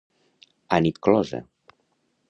A nit closa.